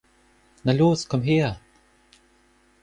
Na los, komm her!